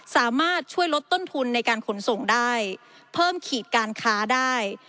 สามารถช่วยลดต้นทุนในการขนส่งได้เพิ่มขีดการค้าได้